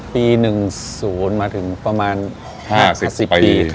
ปี๑๐ประมาน๕๐ปี